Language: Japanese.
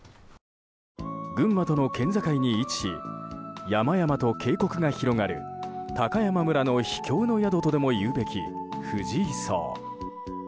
群馬との県境に位置し山々と渓谷が広がる高山村の秘境の宿とでもいうべき藤井荘。